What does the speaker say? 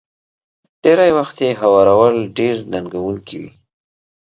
ډېری وخت يې هوارول ډېر ننګوونکي وي.